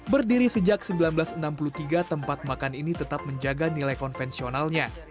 berdiri sejak seribu sembilan ratus enam puluh tiga tempat makan ini tetap menjaga nilai konvensionalnya